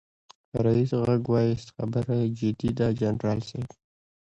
ريس غږ واېست خبره جدي ده جنرال صيب.